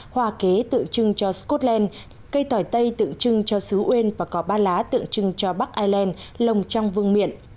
hoa kế tượng trưng cho scotland cây tỏi tây tượng trưng cho sứ uên và có ba lá tượng trưng cho bắc ireland lồng trong vương miện